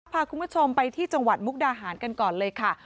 พาคุณผู้ชมไปที่จังหวัดมุกดาหารกันก่อนเลยค่ะ